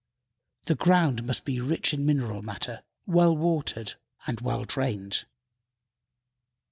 The ground must be rich in mineral matter, well watered and well drained.